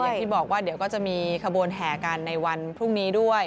อย่างที่บอกว่าเดี๋ยวก็จะมีขบวนแห่กันในวันพรุ่งนี้ด้วย